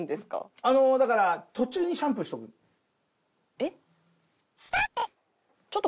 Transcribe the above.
えっ？